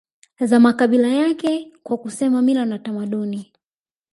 za makabila yake kwa kusema mila na tamaduni